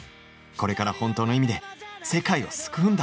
「これから本当の意味で世界を救うんだ」